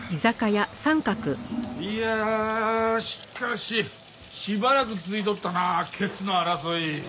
いやあしかししばらく続いとったなケツの争い。